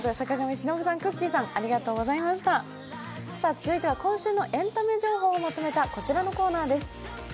続いては今週のエンタメ情報をまとめたこちらのコーナーです。